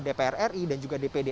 dpr ri dan juga dpd